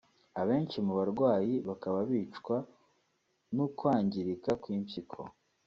abenshi mu barwayi bakaba bicwa n’ukwangirika kw’impyiko